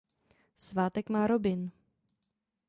Svátek má Robin.